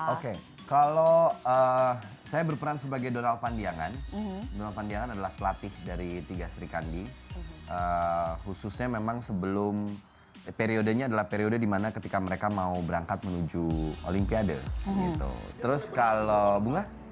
oke kalau saya berperan sebagai donald pandiangan donal pandiangan adalah pelatih dari tiga serikandi khususnya memang sebelum periodenya adalah periode dimana ketika mereka mau berangkat menuju olimpiade gitu terus kalau bunga